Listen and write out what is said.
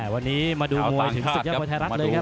วันนี้มาดูมวยถึงศึกยอดมวยไทยรัฐเลยครับ